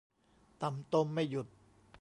ต่ำตมไม่หยุด